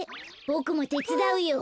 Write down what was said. ボクもてつだうよ。